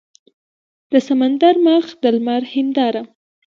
د سمندر مخ د لمر هینداره